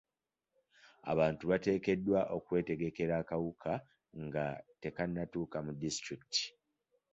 Abantu bateekeddwa okwetegekera akawuka nga tekannatuuka mu disitulikiti.